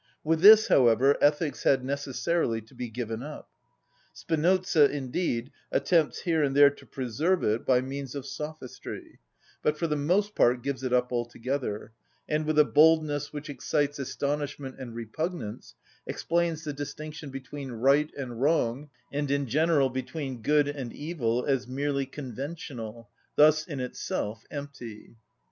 With this, however, ethics had necessarily to be given up. Spinoza, indeed, attempts here and there to preserve it by means of sophistry, but for the most part gives it up altogether, and, with a boldness which excites astonishment and repugnance, explains the distinction between right and wrong, and in general between good and evil, as merely conventional, thus in itself empty (for example, Eth. iv., prop. 37, schol. 2).